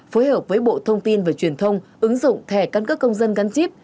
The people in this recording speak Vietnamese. phối hợp với bộ thông tin và truyền thông ứng dụng thẻ căn cước công dân gắn chip